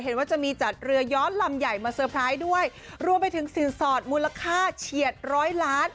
เห็นว่าจะมีจัดเรือย้อนลำใหญ่มาเซอร์ไพรส์ด้วยรวมไปถึงสินสอดมูลค่าเฉียดร้อยล้าน